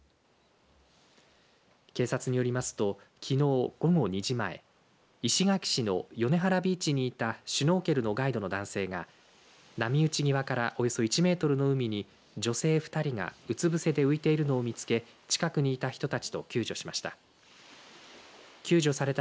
警察によりますときのう午後２時前石垣市の米原ビーチにいたシュノーケルのガイドの男性が波打ち際からおよそ１メートルの海に女性２人がうつ伏せで浮いているのを見つけ近くにいた人たちと救助しました。